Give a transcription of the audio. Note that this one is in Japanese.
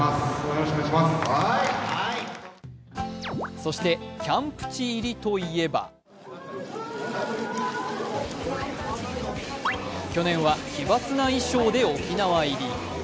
そして、キャンプ地入りといえば去年は奇抜な衣装で沖縄入り。